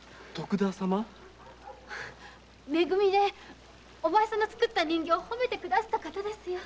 め組でお前さんの人形を褒めてくださった方ですよ。